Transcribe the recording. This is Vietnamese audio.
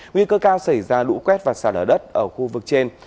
nguy cơ cao xảy ra lũ quét và sạt lở đất ở khu vực trên